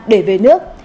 để về nước